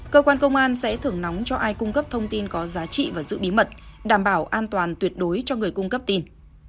cơ quan công an sẽ thưởng nóng cho ai cung cấp thông tin có giá trị và giữ bí mật đảm bảo an toàn tuyệt đối cho người cung cấp tin